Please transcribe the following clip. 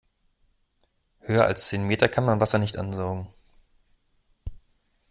Höher als zehn Meter kann man Wasser nicht ansaugen.